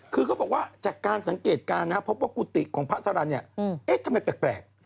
คือเขาบอกว่าจากการสังเกตการณ์เพราะว่ากุติของพระสรรค์ทำไมแปลก